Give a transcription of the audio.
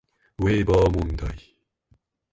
ウェーバー問題